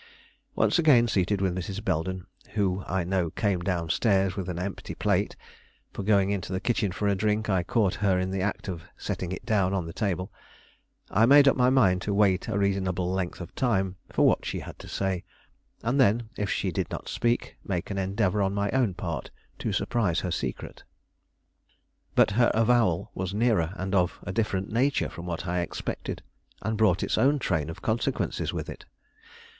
Once again seated with Mrs. Belden (who I know came down stairs with an empty plate, for going into the kitchen for a drink, I caught her in the act of setting it down on the table), I made up my mind to wait a reasonable length of time for what she had to say; and then, if she did not speak, make an endeavor on my own part to surprise her secret. But her avowal was nearer and of a different nature from what I expected, and brought its own train of consequences with it.